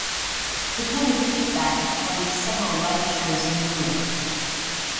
Decoded Feedback have played several live shows in Europe.